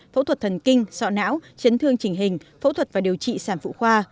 phẫu thuật thần kinh sọ não chấn thương chỉnh hình phẫu thuật và điều trị sản phụ khoa